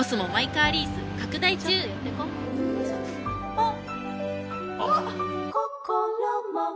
・あっ！